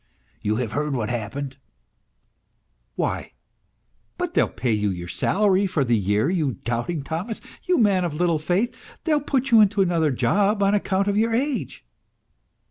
You have heard what happened ?"" Why, but they'll pay you your salary for the year, you doubting Thomas, you man of little faith. They'll put you into another job on account of your age."